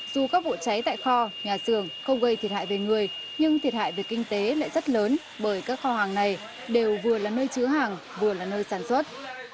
dù các vụ cháy tại kho nhà xưởng không gây thiệt hại về người nhưng thiệt hại về kinh tế lại rất lớn bởi các kho hàng này đều vừa là nơi chứa hàng vừa là nơi sản xuất